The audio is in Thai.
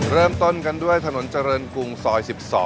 เริ่มต้นกันด้วยถนนเจริญกรุงซอย๑๒